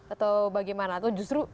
atau bagaimana atau justru